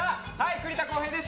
栗田航兵です。